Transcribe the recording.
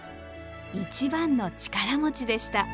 一番の力持ちでした。